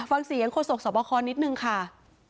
ฟังสีอย่างคนสกสวรรค์นิดนึงค่ะ